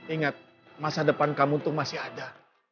ingat masa depan kamu itu masih ada